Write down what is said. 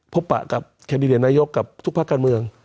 ปะกับแคนดิเดตนายกกับทุกภาคการเมือง